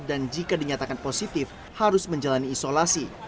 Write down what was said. dan jika dinyatakan positif harus menjalani isolasi